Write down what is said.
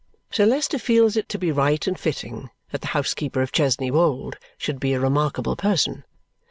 Sir Leicester feels it to be right and fitting that the housekeeper of Chesney Wold should be a remarkable person.